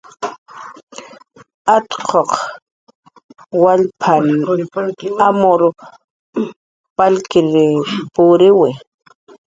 Atquq wallpanh arum palir puriwi.